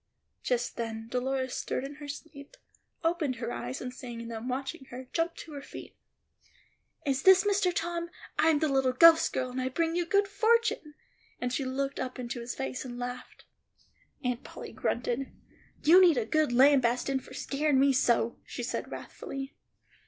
Just then Dolores stirred in her sleep, opened her eyes, and seeing them watching her, jumped to her feet. "Is this Mr. Tom? I am the little ghost girl, and I bring you good fortune;" and she looked up into his face and laughed. Aunt Polly grunted, "You need a good lambastin' fo' skeerin' me so," she said wrathfully.